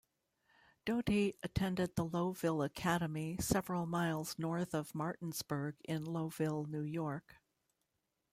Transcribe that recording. Doty attended the Lowville Academy several miles north of Martinsburg in Lowville, New York.